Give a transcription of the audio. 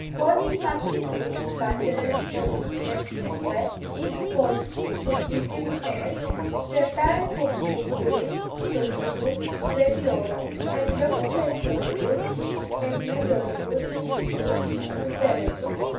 Quod si maturius facere voluissent neque, id quod stultissimum est, certare cum usuris fructibus praediorum, et locupletioribus his et melioribus civibus uteremur.